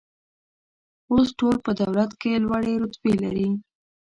اوس ټول په دولت کې لوړې رتبې لري